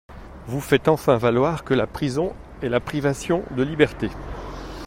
Vous faites enfin valoir que la prison est la privation de liberté.